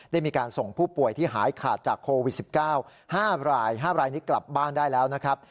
ได้มีการส่งผู้ป่วยที่หายขาดจากโควิด๑๙๕ราย๕รายนี้กลับบ้านได้แล้วนะครับ